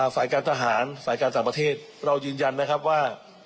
สายการทหารสายการต่างประเทศเรายืนยันนะครับว่า